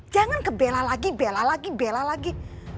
jangan ke bella lagi bella lagi bella lagi